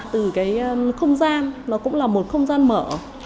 từ cái không gian nó cũng là một không gian mở